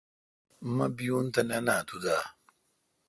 مہ بیون تہ نہ نا تو دا